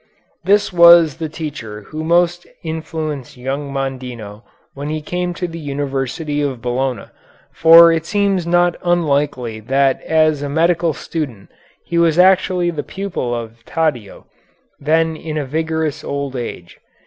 This was the teacher who most influenced young Mondino when he came to the University of Bologna, for it seems not unlikely that as a medical student he was actually the pupil of Taddeo, then in a vigorous old age.